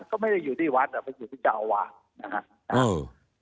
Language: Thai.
ก็ไม่ได้อยู่ที่วัดแต่อยู่ที่เจ้าวาด